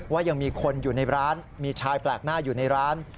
ว่ายังมีคนอยู่ในร้านมีชายแปลกหน้าอยู่ในร้าน